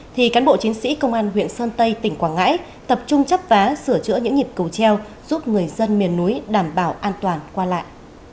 thì cán bộ chiến sĩ công an huyện sơn tây tỉnh quảng ngãi tập trung chấp vá sửa chữa những nhịp cầu treo giúp người dân miền núi đảm bảo an toàn qua lại